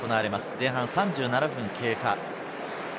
前半３７分が経過。